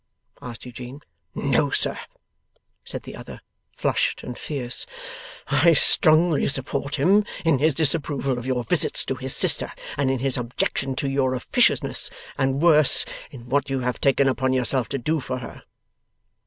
asked Eugene. 'No, sir,' said the other, flushed and fierce. 'I strongly support him in his disapproval of your visits to his sister, and in his objection to your officiousness and worse in what you have taken upon yourself to do for her.